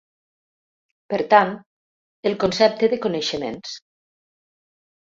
Per tant, el concepte de coneixements.